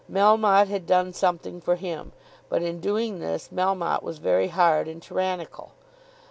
Melmotte had done something for him, but in doing this Melmotte was very hard and tyrannical.